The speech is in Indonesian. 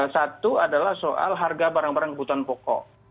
satu adalah soal harga barang barang kebutuhan pokok